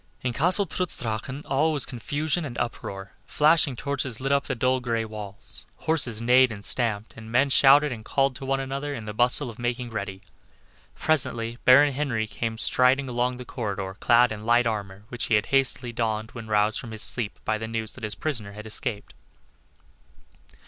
In Castle Trutz Drachen all was confusion and uproar: flashing torches lit up the dull gray walls; horses neighed and stamped, and men shouted and called to one another in the bustle of making ready. Presently Baron Henry came striding along the corridor clad in light armor, which he had hastily donned when roused from his sleep by the news that his prisoner had escaped.